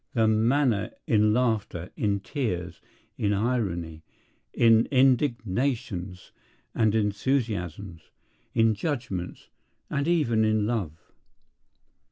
The manner in laughter, in tears, in irony, in indignations and enthusiasms, in judgments—and even in love.